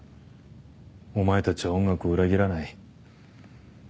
お前たちは音楽を裏切らない。